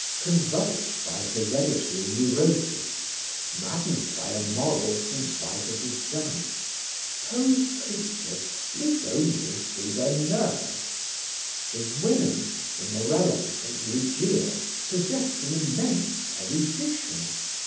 Convulsed by hereditary neurosis, maddened by a moral St. Vitus dance, Poe's creatures lived only through their nerves; his women, the Morellas and Ligeias, possessed an immense erudition.